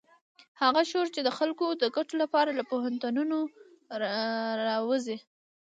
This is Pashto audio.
هغه شعور چې د خلکو د ګټو لپاره له پوهنتونونو راوزي.